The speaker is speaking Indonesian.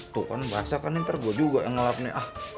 tuh kan basah kan ntar gue juga yang ngelap nih ah